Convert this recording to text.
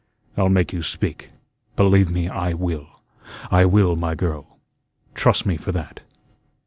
I'll make you speak believe me, I will, I will, my girl trust me for that."